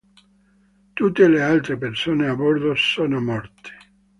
Tutte le altre persone a bordo sono morte.